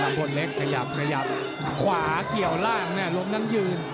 ดังด่าแบนขวาเกี่ยวล่างลมนั้นยืน